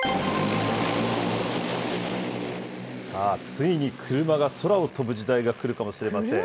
ついに車が空を飛ぶ時代が来るかもしれません。